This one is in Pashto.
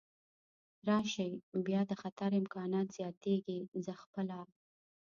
راشي، بیا د خطر امکانات زیاتېږي، زه خپله.